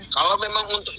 kalau memang untuk